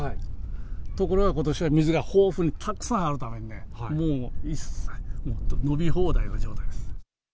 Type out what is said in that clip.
ところがことしは水が豊富にたくさんあるためにね、もう一切、本当、伸び放題の状態です。